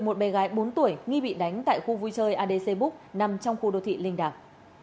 một bé gái bốn tuổi nghi bị đánh tại khu vui chơi adc book nằm trong khu đô thị linh đàm